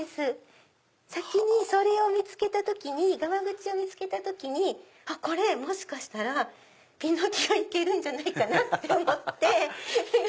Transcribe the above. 先にそれを見つけた時にがまぐちを見つけた時にこれもしかしたらピノキオいけるんじゃないかなって思って。